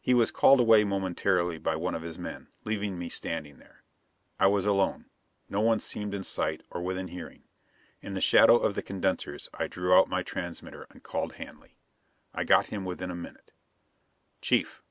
He was called away momentarily by one of his men, leaving me standing there. I was alone; no one seemed in sight, or within hearing. In the shadow of the condensers I drew out my transmitter and called Hanley. I got him within a minute. "Chief!"